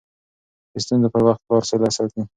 د ستونزو پر وخت پلار سوله ساتي.